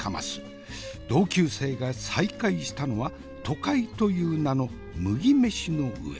同級生が再会したのは都会という名の麦めしの上。